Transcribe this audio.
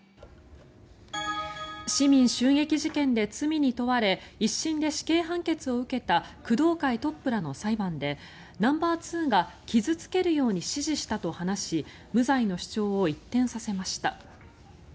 市民襲撃事件で罪に問われ１審で死刑判決を受けた工藤会トップらの裁判でナンバーツーが傷付けるように指示したと話し無罪の主張を一転させました。